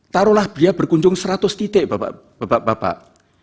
taruhlah beliau berkunjung seratus titik bapak bapak